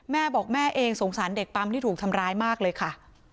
แม่บอกแม่เองสงสารเด็กปั๊มที่ถูกทำร้ายมากเลยค่ะ